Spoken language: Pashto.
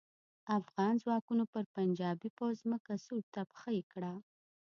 افغان ځواکونو پر پنجاپي پوځ ځمکه سور تبخی کړه.